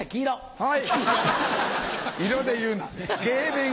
はい。